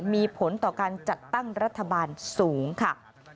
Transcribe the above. มีผลต่อการจัดตั้งรัฐบาลสูงค่ะ